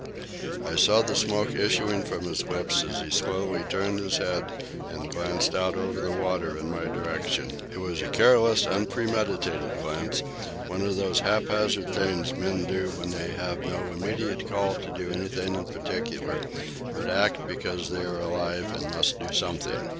I saw the smoke issuing from his lips as he slowly turned his head and glanced out over the water in my direction. It was a careless, unpremeditated glance, one of those haphazard things men do when they have no immediate call to do anything in particular, but act because they are alive and must do something.